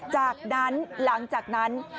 จากนั้นหลังจากนั้น